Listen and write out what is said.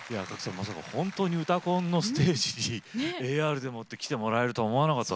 まさか本当に「うたコン」のステージにＡＲでもって来てもらえるとは思わなかった。